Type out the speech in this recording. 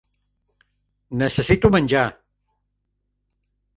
Necessito menjar!